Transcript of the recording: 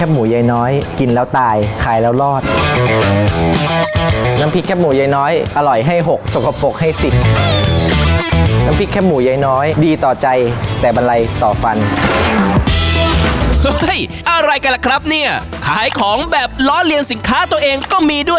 อะไรกันล่ะครับเนี่ยขายของแบบล้อเลียนสินค้าตัวเองก็มีด้วย